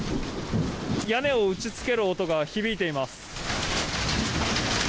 屋根を打ちつける音が響いています。